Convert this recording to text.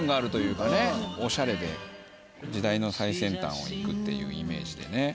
おしゃれで時代の最先端を行くっていうイメージでね。